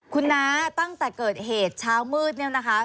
คุณน้าตั้งแต่เกิดเหตุเช้ามืดเนี่ยนะคะ